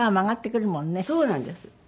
そうなんです。